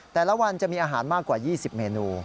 แต่ละวันจะมีอาหารมากกว่า๒๐เมนู